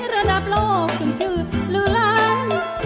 ระดับโลกถึงชื่อลื้อล้าน